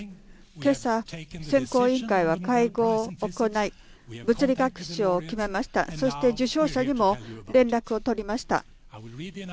今朝、選考委員会は会合を行い物理学賞を決めました、受賞者にも連絡を取りました。